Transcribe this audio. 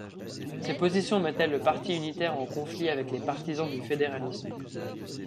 Ces positions mettaient le Parti unitaire en conflit avec les partisans du fédéralisme.